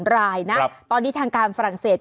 รายนะตอนนี้ทางการฝรั่งเศส